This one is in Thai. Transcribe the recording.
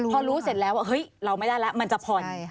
พอรู้เสร็จแล้วว่าเฮ้ยเราไม่ได้แล้วมันจะผ่อน